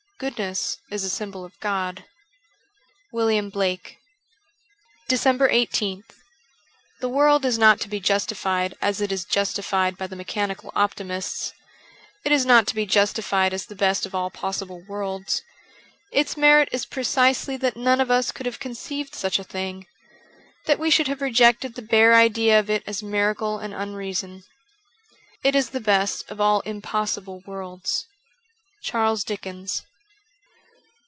Goodness is a symbol of God. ^William Blake.' 390 DECEMBER i8th THE world is not to be justified as it is justified by the mechanical optimists ; it is not to be justified as the best of all possible worlds. ... Its merit is precisely that none of us could have conceived such a thing ; that we should have rejected the bare idea of it as miracle and unreason. It is the best of all impossible worlds. " Charles Dickens.'